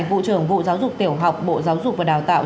vụ trưởng vụ giáo dục tiểu học bộ giáo dục và đào tạo